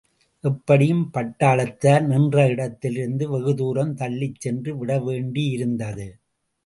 எப்படியும் பட்டாளத்தார் நின்ற இடத்திலிருந்து வெகுதூரம் தள்ளிக்சென்று விடவேண்டியிருந்தது.